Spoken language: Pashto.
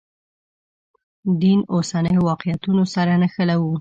دین اوسنیو واقعیتونو سره نښلوو.